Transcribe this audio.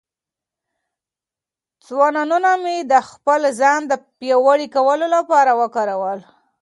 تاوانونه مې د خپل ځان د پیاوړي کولو لپاره وکارول.